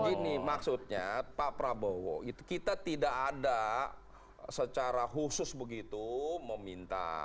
begini maksudnya pak prabowo kita tidak ada secara khusus begitu meminta